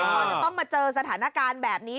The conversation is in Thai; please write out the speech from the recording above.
พอจะต้องมาเจอสถานการณ์แบบนี้